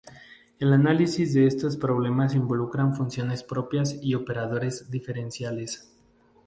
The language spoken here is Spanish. El análisis de estos problemas involucran funciones propias y operadores diferenciales.